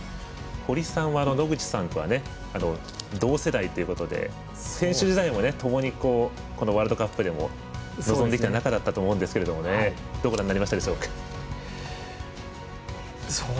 堀さんは野口さんとは同世代ということで選手時代もともにこのワールドカップでも臨んできた仲だったと思うんですけどどうご覧になりましたでしょうか。